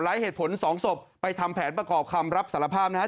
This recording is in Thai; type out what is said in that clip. เหตุผลสองศพไปทำแผนประกอบคำรับสารภาพนะฮะ